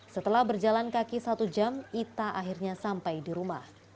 setelah berjalan kaki satu jam ita akhirnya sampai di rumah